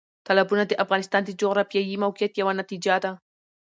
تالابونه د افغانستان د جغرافیایي موقیعت یو نتیجه ده.